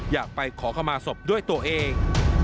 อยากไปขอขมาศพด้วยตัวเอง